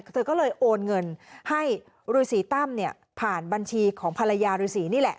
เธอก็เลยโอนเงินให้ฤษีตั้มเนี่ยผ่านบัญชีของภรรยาฤษีนี่แหละ